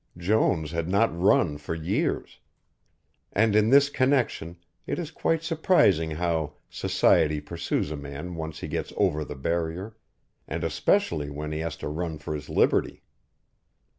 Jones had not run for years. And in this connection it is quite surprising how Society pursues a man once he gets over the barrier and especially when he has to run for his liberty.